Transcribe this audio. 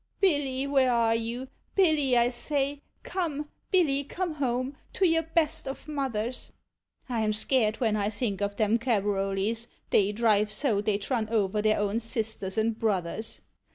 Billy — where are you, Billy, 1 say? come, Billy, come home, to your best of Mothers! 1 'in scared when I think of them Cabroleys, they drive so, they 'd run over their own Sisters and Brothers.